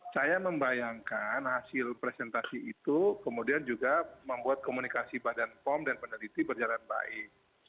saya membayangkan hasil presentasi itu kemudian juga membuat komunikasi badan pom dan peneliti berjalan baik